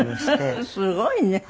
すごいね！